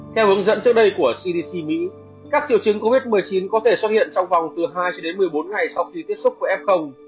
theo hướng dẫn trước đây của cdc mỹ các triệu chứng covid một mươi chín có thể xuất hiện trong vòng từ hai cho đến một mươi bốn ngày sau khi tiếp xúc với f